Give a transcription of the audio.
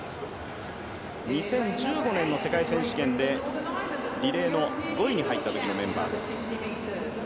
２０１５年の世界選手権でリレーの５位に入った時のメンバーです。